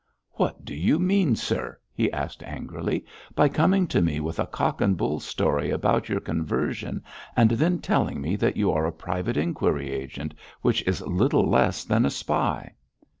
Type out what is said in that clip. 'What do you mean, sir,' he asked angrily, 'by coming to me with a cock and bull story about your conversion, and then telling me that you are a private inquiry agent, which is little less than a spy?'